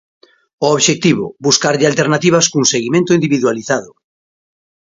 O obxectivo: buscarlle alternativas cun seguimento individualizado.